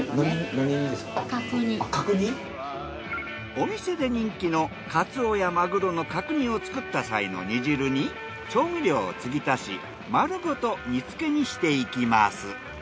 お店で人気のカツオやマグロの角煮を作った際の煮汁に調味料を継ぎ足し丸ごと煮付けにしていきます。